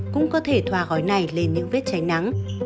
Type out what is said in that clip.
cũng có thể thoa gói này lên những vết cháy nắng